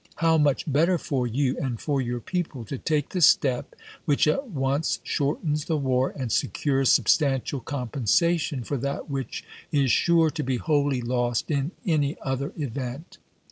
How much better for you and for your people to take the step which at once shortens the war, and secures substantial compensation for that which is sure to be wholly lost in any other event.